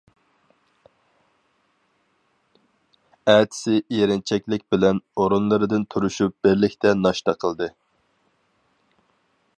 ئەتىسى ئېرىنچەكلىك بىلەن ئورۇنلىرىدىن تۇرۇشۇپ بىرلىكتە ناشتا قىلدى.